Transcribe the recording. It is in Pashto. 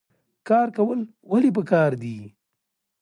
کار کول ولې پکار دي؟